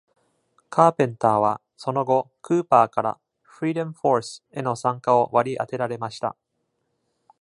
カーペンターは、その後クーパーから Freedom Force への参加を割り当てられました。